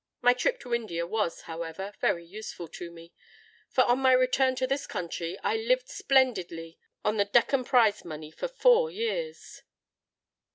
My trip to India was, however, very useful to me; for, on my return to this country, I lived splendidly on the Deccan Prize Money for four years."